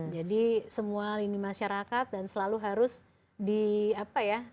jadi semua ini masyarakat dan selalu harus di apa ya